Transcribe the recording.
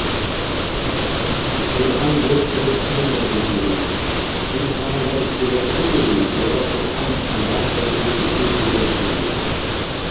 Кьуръан белчӏес сен вехӏихьири? Ил гьанагарси баркьудирив яра Кьуръан бяркъес ибси пикри лебсирив?